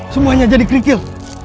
semuanya jadi krikil